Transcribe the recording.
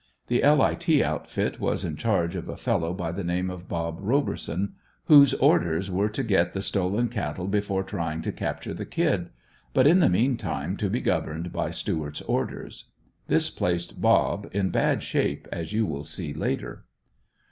The "L. I. T." outfit was in charge of a fellow by the name of "Bob" Roberson, whose orders were to get the stolen cattle before trying to capture the Kid, but in the meantime, to be governed by Stuart's orders. This placed "Bob" in bad shape, as you will see later.